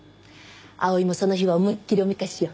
葵もその日は思いっきりおめかししよう！